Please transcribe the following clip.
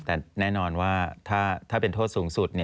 แต่แน่นอนว่าถ้าเป็นโทษสูงสุด